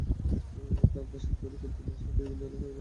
তাই বাঁশের তৈরি কৃত্রিম বাসা বিভিন্ন এলাকার গাছে বেঁধে দেওয়া হচ্ছে।